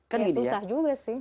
ya susah juga sih